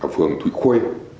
phường thủy khuê